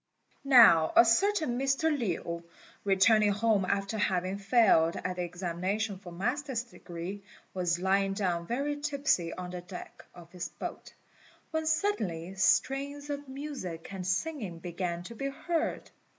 Now a certain Mr. Lin, returning home after having failed at the examination for Master's degree, was lying down very tipsy on the deck of his boat, when suddenly strains of music and singing began to be heard.